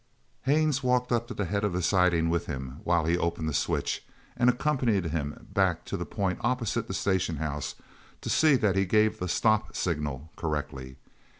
Haines walked up to the head of the siding with him while he opened the switch and accompanied him back to the point opposite the station house to see that he gave the "stop" signal correctly.